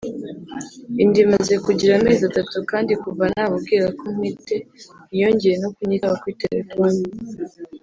Inda imaze kugira amezi atatu kandi kuva namubwira ko ntwite ntiyongeye no kunyitaba kuri telefone